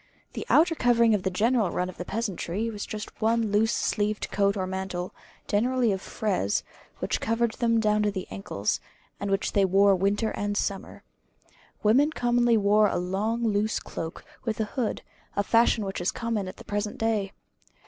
The outer covering of the general run of the peasantry was just one loose sleeved coat or mantle, generally of frieze, which covered them down to the ankles; and which they wore winter and summer. Women commonly wore a long loose cloak, with a hood, a fashion which is common at the present day.